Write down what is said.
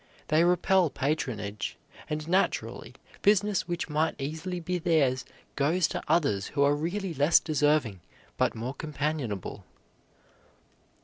They repel patronage, and, naturally, business which might easily be theirs goes to others who are really less deserving but more companionable.